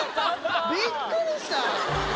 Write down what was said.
びっくりした。